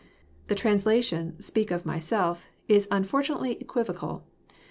*' The translation speak of myself, is unfortunately equivocal.